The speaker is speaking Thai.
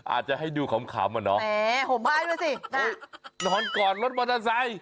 อาจจะให้ดูขำอ่ะเนอะโหบ้ายด้วยสินอนก่อนรถมอเตอร์ไซค์